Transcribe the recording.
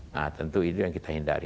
nah tentu itu yang kita hindari